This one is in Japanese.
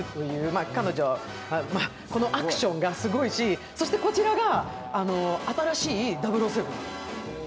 彼女はアクションがすごいし、そしてこちらが新しい００７。